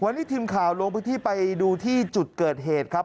วันนี้ทีมข่าวลงพื้นที่ไปดูที่จุดเกิดเหตุครับ